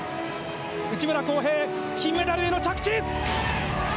内村航平、金メダルへの着地！